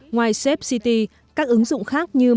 ngoài safe city các ứng dụng khác như